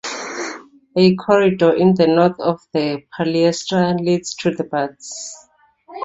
A corridor in the north side of the palaestra leads to the baths.